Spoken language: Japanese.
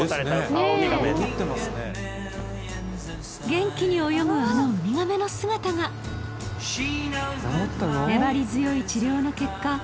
元気に泳ぐあのウミガメの姿が粘り強い治療の結果